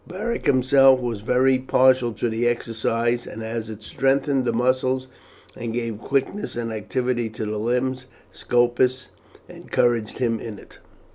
Beric himself was very partial to the exercise, and as it strengthened the muscles, and gave quickness and activity to the limbs, Scopus encouraged him in it.